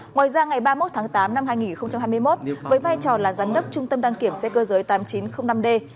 ngoài ra ngày ba mươi một tháng tám năm hai nghìn hai mươi một với vai trò là giám đốc trung tâm đăng kiểm xe cơ giới tám nghìn chín trăm linh năm d